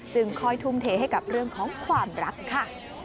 ค่อยทุ่มเทให้กับเรื่องของความรักค่ะ